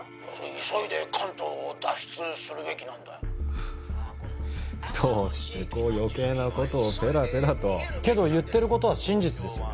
急いで関東を脱出するべきなんだよどうしてこう余計なことをペラペラとけど言ってることは真実ですよね？